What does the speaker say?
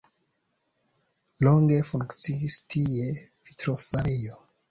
Longe funkciis tie vitrofarejo.